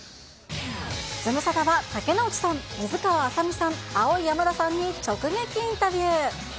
ズムサタは、竹野内さん、水川あさみさん、アオイヤマダさんに直撃インタビュー。